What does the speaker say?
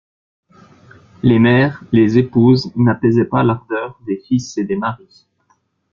Les mères, les épouses, n'apaisaient pas l'ardeur des fils et des maris.